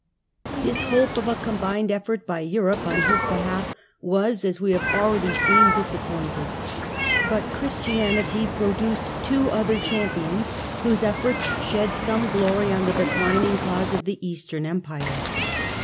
His hope of a combined effort of Europe on his behalf was, as we have already seen, disappointed ; but Christianity produced two other champions whose efforts shed some glory on the dechn ing cause of the Eastern Empire.